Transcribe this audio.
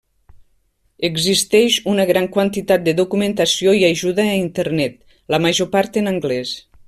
Existeix una gran quantitat de documentació i ajuda a Internet, la major part en anglès.